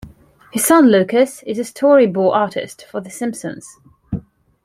His son, Lucas, is a storyboard artist for The Simpsons.